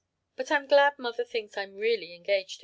"But I'm glad mother thinks I'm really engaged to Ken!"